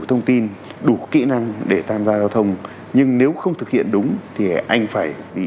thông tin đủ kỹ năng để tham gia giao thông nhưng nếu không thực hiện đúng thì anh phải bị